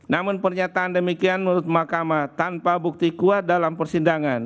namun pernyataan demikian menurut mahkamah tanpa bukti kuat dalam persidangan